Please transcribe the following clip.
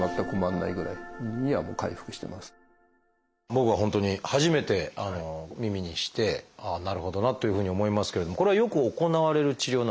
僕は本当に初めて耳にしてああなるほどなというふうに思いますけれどもこれはよく行われる治療なんですか？